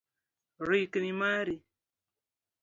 Rikni mari.